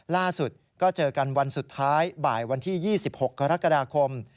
ล่าสุดก็เจอกันวันสุดท้ายบ่ายวันที่๒๖กรกฎาคม